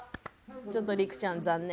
ちょっとＲＩＫＵちゃん残念。